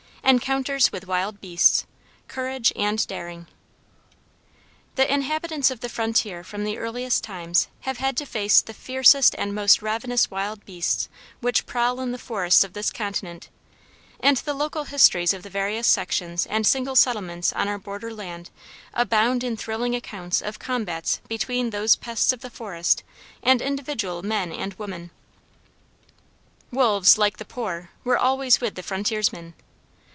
ENCOUNTERS WITH WILD BEASTS COURAGE AND DARING The inhabitants of the frontier from the earliest times have had to face the fiercest and most ravenous wild beasts which prowl in the forests of this continent; and the local histories of the various sections and single settlements on our border land abound in thrilling accounts of combats between those pests of the forest and individual men and women. Wolves, like the poor, were always with the frontiersmen.